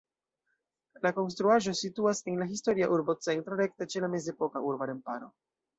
La konstruaĵo situas en la historia urbocentro, rekte ĉe la mezepoka urba remparo.